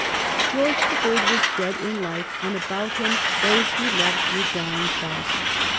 George the Third was dead in life, and about him those he loved were dying fast.